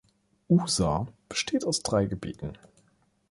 Usa besteht aus drei Gebieten.